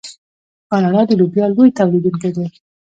کاناډا د لوبیا لوی تولیدونکی دی.